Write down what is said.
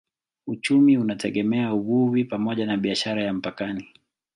Uchumi unategemea uvuvi pamoja na biashara ya mpakani.